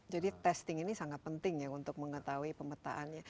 jadi testing ini sangat penting ya untuk mengetahui pemetaannya